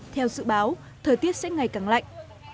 theo dự báo thời tiết sẽ ngày càng lạnh